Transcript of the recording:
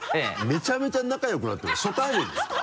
めちゃめちゃ仲良くなってる初対面ですか？